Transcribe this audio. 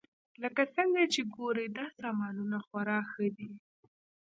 لکه څنګه چې ګورئ دا سامانونه خورا ښه دي